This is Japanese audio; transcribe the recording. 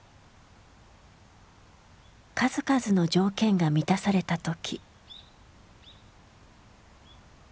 数々の条件が満たされた時。